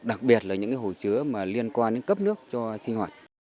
đặc biệt là những hồ chứa mà liên quan đến cấp nước cho sinh hoạt